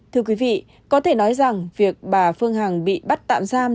thưa quý vị có thể nói rằng việc bà phương hằng bị bắt tạm giam